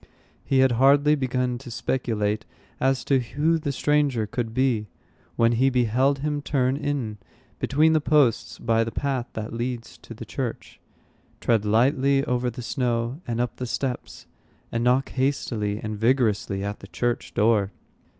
He had hardly begun to speculate as to who the stranger could be, when he beheld him turn in between the posts by the path that leads to the church, tread lightly over the snow, and up the steps, and knock hastily and vigorously at the church door.